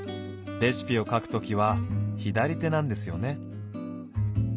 レシピを書くときは左手なんですよね。